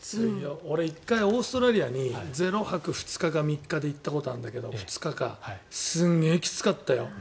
俺、１回オーストラリアに０泊２日か３日で行ったことあるんだけどすごいきつかったよ。